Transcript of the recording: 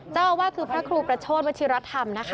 เจ้าอาวาทคือพระครูประโชทวติรัฐมณ์